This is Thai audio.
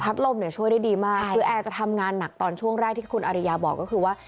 ลมเนี่ยช่วยได้ดีมากคือแอร์จะทำงานหนักตอนช่วงแรกที่คุณอริยาบอกก็คือว่า